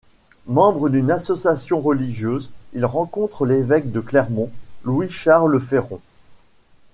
Membre d'une association religieuse, il rencontre l'évêque de Clermont, Louis-Charles Féron.